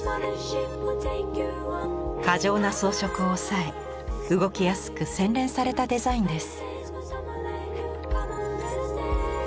過剰な装飾を抑え動きやすく洗練されたデザインです。